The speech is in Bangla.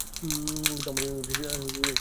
কিন্তু আমার জানা উচিত সে কেমন নারী পছন্দ করে।